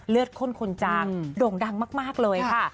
เลือดข้นคนจังโด่งดังมากเลยค่ะ